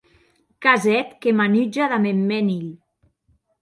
Qu’as hèt que m’anutja damb eth mèn hilh.